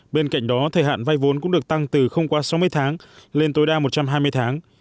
bên cạnh đó thời hạn vay vốn cũng được tăng từ không quá sáu mươi tháng lên tối đa một trăm hai mươi tháng